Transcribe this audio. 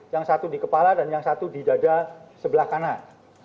yang satu di kepala dan yang satu di dada sebelah kanan